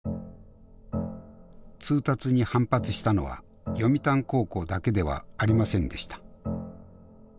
通達に反発したのは読谷高校だけではありませんでした。